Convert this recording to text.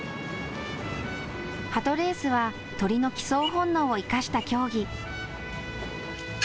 はとレースは鳥の帰巣本能を生かした競技。